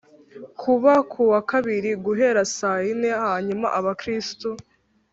kuba kuwa kabiri, guhera saa yine hanyuma abakristu